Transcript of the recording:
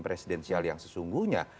presidensial yang sesungguhnya